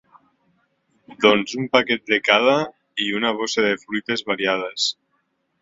Doncs un paquet de cada i una bossa de fruites variades.